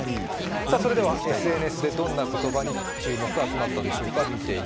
それではＳＮＳでどんな言葉に注目が集まったでしょう。